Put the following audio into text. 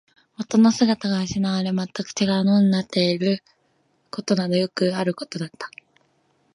元の姿が失われ、全く違うものになっていることなどよくあることだった